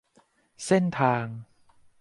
เส้นทาง